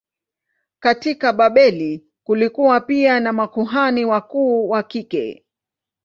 Katika Babeli kulikuwa pia na makuhani wakuu wa kike.